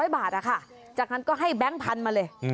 ๐บาทจากนั้นก็ให้แบงค์พันธุ์มาเลย